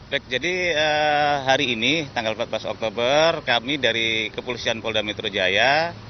baik jadi hari ini tanggal empat belas oktober kami dari kepolisian polda metro jaya